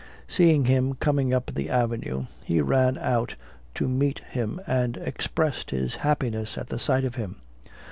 Seeing him coming up the avenue, he ran out to meet him, and expressed his happiness at the sight of him.